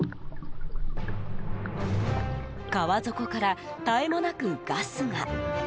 川底から絶え間なくガスが。